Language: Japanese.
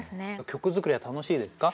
曲作りは楽しいですか？